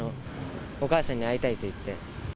お母さんに会いたいと言って。